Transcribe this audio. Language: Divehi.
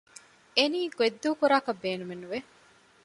އެނީ ގޮތްދޫކުރާކަށް ބޭނުމެއް ނުވެ